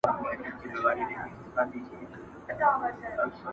• جنګ خو هسي هم په برخه د پښتون دی,